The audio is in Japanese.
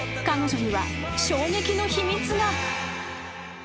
［彼女には衝撃の秘密が］